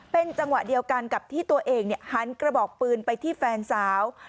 เป็นจังหวะเดียวกันกับที่ตัวเองหันกระบอกปืนไปที่แฟนสาว